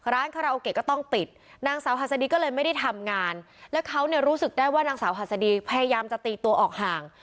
คาราโอเกะก็ต้องปิดนางสาวหัสดีก็เลยไม่ได้ทำงานแล้วเขาเนี่ยรู้สึกได้ว่านางสาวหัสดีพยายามจะตีตัวออกห่าง